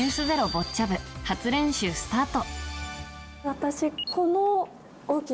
ボッチャ部、初練習スタート。